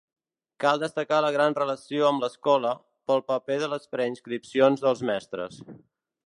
Cal destacar la gran relació amb l'escola, pel paper de les prescripcions dels mestres.